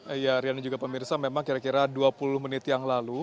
iya rian dan juga pemirsa memang kira kira dua puluh menit yang lalu